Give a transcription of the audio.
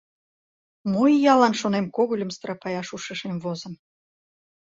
Мо иялан, шонем, когыльым страпаяш ушешем возын?